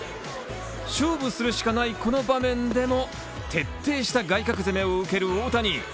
勝負するしかないこの場面で徹底した外角攻めを受ける大谷。